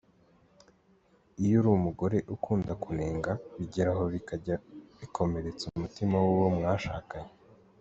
Iyo uri umugore ukunda kunenga bigeraho bikajya bikomeretsa umutima w’uwo mwashakanye .